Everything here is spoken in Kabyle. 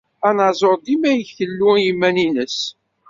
Anaẓur dima ikellu i yiman-nnes.